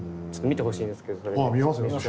ちょっと見てほしいんですけどそれ。